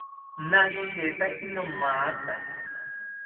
Nashetaki nomatha